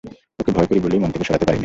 ওকে ভয় করি বলেই মন থেকে সরাতে পারি নে।